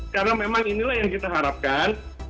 karena memang inilah yang kita harapkan